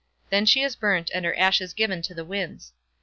Then she is burnt and her ashes given to the winds.